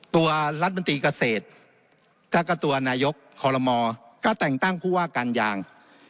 ตัวรัฐมนตรีเกษตรแล้วก็ตัวนายกคอลโลมก็แต่งตั้งผู้ว่าการยาง